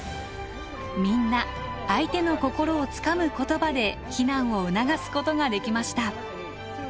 みんな相手の心をつかむ言葉で避難を促すことができました。